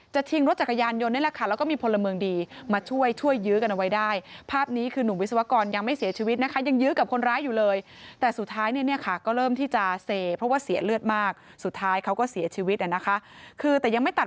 จะทิ้งรถจักรยานยนต์นั่นแหละค่ะแล้วก็มีพลเมิงดี